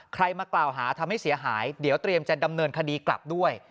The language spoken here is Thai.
มากล่าวหาทำให้เสียหายเดี๋ยวเตรียมจะดำเนินคดีกลับด้วย